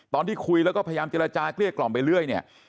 ตอนที่คุยแล้วก็พยายามเจรจาเกลี้ยกล่อมไปเรื่อยเนี่ย